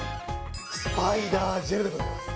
スパイダージェルでございます。